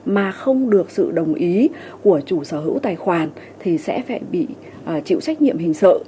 mà không được sự đồng ý của chủ sở hữu tài khoản thì sẽ phải bị chịu trách nhiệm hình sự